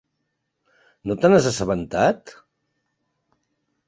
No te n'has assabentat?